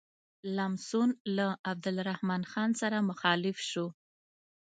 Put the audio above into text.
لمسون له عبدالرحمن خان سره مخالف شو.